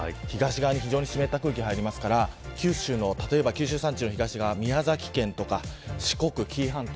東側に非常に湿った空気が入るので九州山地の東側、宮崎県とか四国、紀伊半島